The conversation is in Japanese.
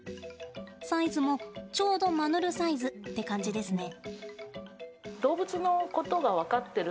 サイズもちょうどマヌルサイズって感じですね。